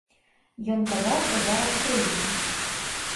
Ён казаў, што зараз прыйдзе.